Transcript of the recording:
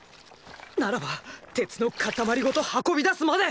ならば鉄の塊ごと運び出すまで！